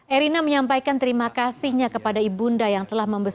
erina menyampaikan terima kasihnya kepada ibunda yang telah membantu